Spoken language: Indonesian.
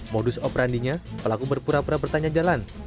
modus operandinya pelaku berpura pura bertanya jalan